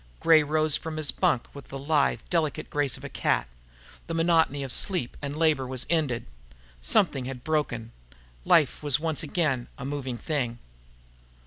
Gray rose from his bunk with the lithe, delicate grace of a cat. The monotony of sleep and labor was ended. Something had broken. Life was once again a moving thing.